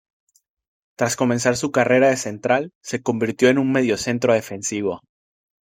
Tras comenzar su carrera de central, se convirtió en un mediocentro defensivo.